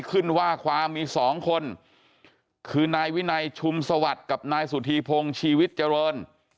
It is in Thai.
ขึ้นว่าความมีสองคนคือนายวินัยชุมสวัสดิ์กับนายสุธีพงศ์ชีวิตเจริญ